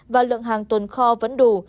và lượng hàng tuần kho vẫn đủ